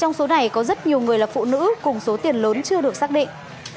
trong số này có rất nhiều người là phụ nữ cùng số tiền lớn chưa được xác định